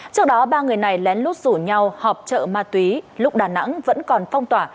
trước đó ba người này lén lút rủ nhau họp chợ ma túy lúc đà nẵng vẫn còn phong tỏa